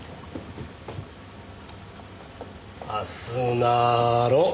あすなろ。